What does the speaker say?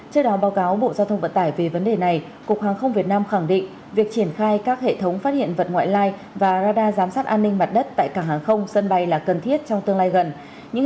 trước đó báo cáo bộ giao thông vận tải về vấn đề này cục hàng không việt nam khẳng định việc triển khai các hệ thống phát hiện vật ngoại lai và radar giám sát an ninh mặt đất tại cảng hàng không sân bay là cần thiết trong tương lai gần